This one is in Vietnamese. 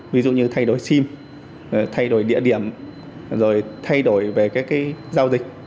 ví dụ như thay đổi sim thay đổi địa điểm rồi thay đổi về các giao dịch